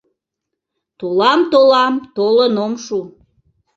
Толам-толам — толын ом шу